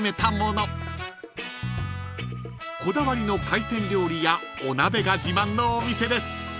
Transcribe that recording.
［こだわりの海鮮料理やお鍋が自慢のお店です］